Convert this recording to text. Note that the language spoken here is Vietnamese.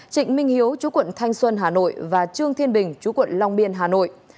trịnh minh hiếu chú quận thanh xuân hà nội và trương thiên bình chú quận long biên hà nội